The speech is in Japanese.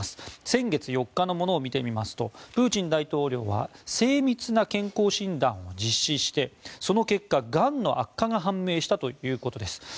先月４日のものを見てみますとプーチン大統領は精密な健康診断を実施してその結果、がんの悪化が判明したということです。